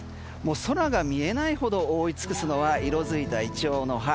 空が見えないほど覆い尽くすのは色づいたイチョウの葉。